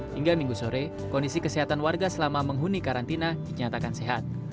hingga minggu sore kondisi kesehatan warga selama menghuni karantina dinyatakan sehat